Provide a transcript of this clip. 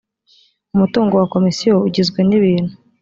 umutungo wa komisiyo ugizwe n ibintu